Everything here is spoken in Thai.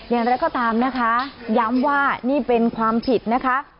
อย่างไรก็ตามนะคะย้ำว่านี่เป็นความผิดนะคะ